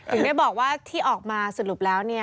ถึงได้บอกว่าที่ออกมาสรุปแล้ว